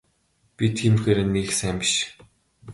Би тиймэрхүү ярианд нэг их сайн биш.